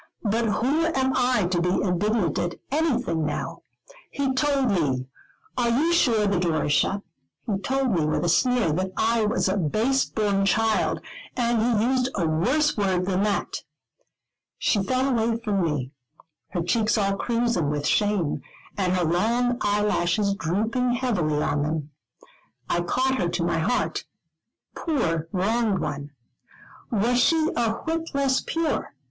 But who am I to be indignant at anything now? He told me are you sure the door is shut? he told me, with a sneer, that I was a base born child, and he used a worse word than that." She fell away from me, her cheeks all crimson with shame, and her long eyelashes drooping heavily on them. I caught her to my heart: poor wronged one, was she a whit less pure?